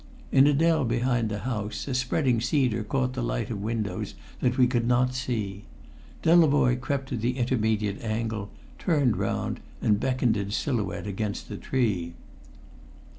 In a dell behind the house, a spreading cedar caught the light of windows that we could not see. Delavoye crept to the intermediate angle, turned round, and beckoned in silhouette against the tree.